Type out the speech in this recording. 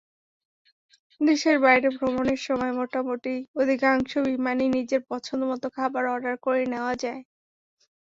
দেশের বাইরে ভ্রমণের সময়মোটামুটি অধিকাংশ বিমানেই নিজের পছন্দমতো খাবার অর্ডার করে নেওয়া যায়।